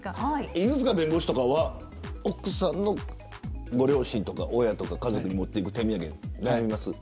犬塚弁護士は、奥さんのご両親とか家族に持っていく手土産悩みますか。